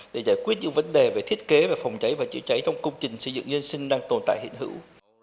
để giải quyết những vấn đề về thiết kế về phòng cháy và chữa cháy trong công trình xây dựng nhân sinh đang tồn tại hiện hữu